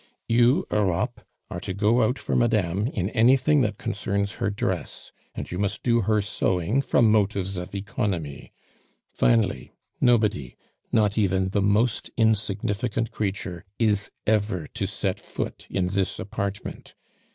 "You, Europe, are to go out for madame in anything that concerns her dress, and you must do her sewing from motives of economy. Finally, nobody, not even the most insignificant creature, is ever to set foot in this apartment.